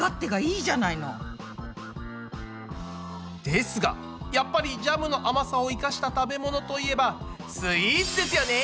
ですがやっぱりジャムの甘さを生かした食べ物といえばスイーツですよね！